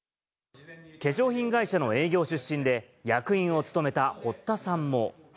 化粧品会社の営業出身で役員を務めた堀田さんも。